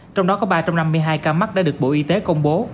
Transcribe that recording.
trong đó có ba trăm năm mươi hai ca mắc đã được bộ y tế công bố